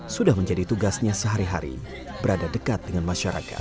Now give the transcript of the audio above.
sudah menjadi tugasnya sehari hari berada dekat dengan masyarakat